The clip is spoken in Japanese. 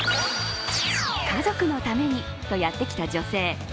家族のためにとやってきた女性。